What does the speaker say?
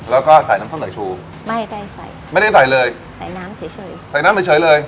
แล้วก็ใส่น้ำส้มใส่ชูไม่ได้ใส่ไม่ได้ใส่เลยใส่น้ำเฉยเฉยใส่น้ำเฉยเฉยเลย